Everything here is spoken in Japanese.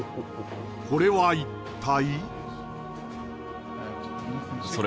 これは一体？